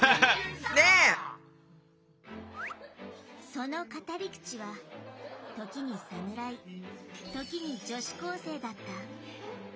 その語り口は時に侍時に女子高生だった。